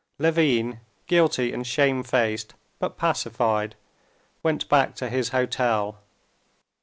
Levin, guilty and shamefaced, but pacified, went back to his hotel.